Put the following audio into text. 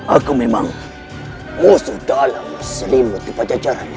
aku memang musuh dalam kelimut di pajak jarak nyai